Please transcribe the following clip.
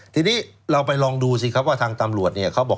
ทีนี้เราไปลองดูว่าทางตำรวจเขาบอก